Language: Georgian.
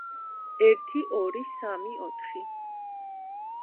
ერთი ორი სამი ოთხი